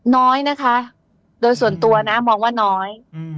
น้อยนะคะโดยส่วนตัวนะมองว่าน้อย